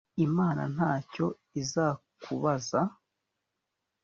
imana nta cyo izakubaza